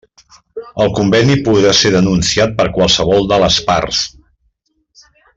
El conveni podrà ser denunciat per qualsevol de les parts.